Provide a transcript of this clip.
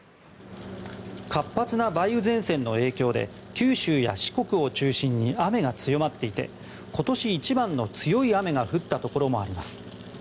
活発な梅雨前線の影響で九州や四国を中心に雨が強まっていて今年一番の強い雨が降ったところもあります。